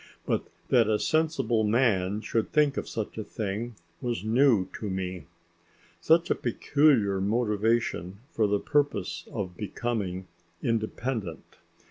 But that a sensible man should think of such a thing was new to me. Such a peculiar motivation for the purpose of becoming independent.